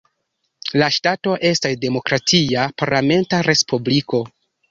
La ŝtato estas demokratia, parlamenta respubliko.